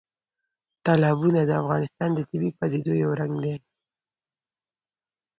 تالابونه د افغانستان د طبیعي پدیدو یو رنګ دی.